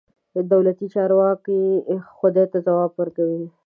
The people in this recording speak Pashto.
دولتي چارواکي خلکو ته ځواب ورکوي.